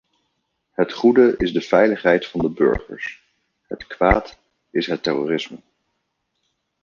Het goede is de veiligheid van de burgers, het kwaad is het terrorisme.